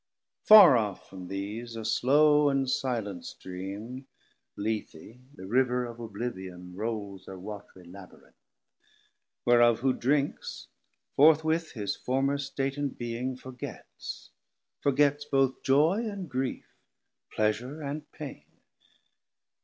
Farr off from these a slow and silent stream, Lethe the River of Oblivion roules Her watrie Labyrinth, whereof who drinks, Forthwith his former state and being forgets, Forgets both joy and grief, pleasure and pain.